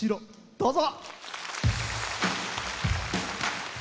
どうぞ。